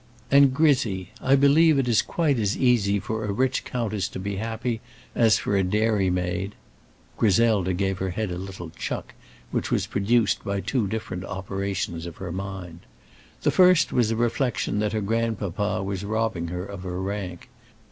"And Grizzy I believe it is quite as easy for a rich countess to be happy, as for a dairymaid " Griselda gave her head a little chuck which was produced by two different operations of her mind. The first was a reflection that her grandpapa was robbing her of her rank.